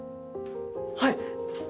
はい！